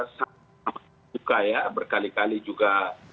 suka ya berkali kali juga